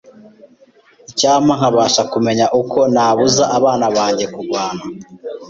Icyampa nkabasha kumenya uko nabuza abana banjye kurwana.